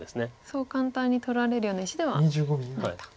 そう簡単に取られるような石ではないと。